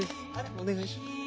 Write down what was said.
お願いします。